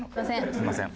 すみません。